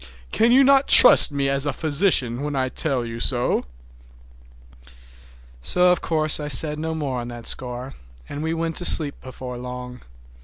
Can you not trust me as a physician when I tell you so?" So of course I said no more on that score, and we went to sleep before long.